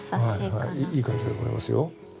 いい感じだと思いますよ。